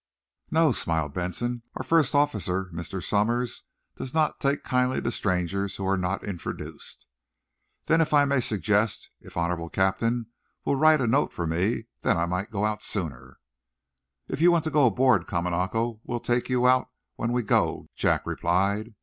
"No," smiled, Benson. "Our first officer, Mr. Somers, does not take kindly to strangers who are not introduced." "Then, if I may suggest if honorable Captain will write note for me then I might go out sooner." "If you want to go aboard, Kamanako, we'll take you out when we go," Jack replied.